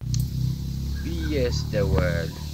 Bbi-yas-d, awal!